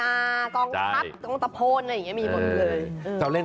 ละวันนากองทัพตะโพนอันนี้มีหมดเลย